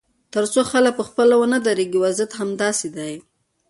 تر څو خلک پخپله ونه درېږي، وضعیت همداسې دی.